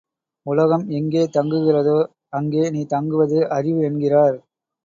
உலகம் எங்கே தங்குகிறதோ அங்கே நீ தங்குவது அறிவு என்கிறார்.